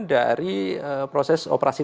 dari proses operasi